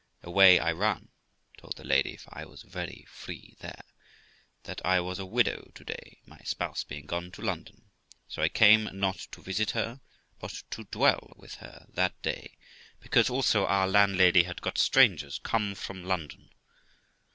Away I run, told the lady (for I was very free there) that I was a widow to day, my spouse being gone to London, so I came not to visit her, but to dwell with her that day, because also our landlady had got strangers come from London.